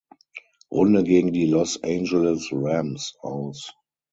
Runde gegen die Los Angeles Rams aus.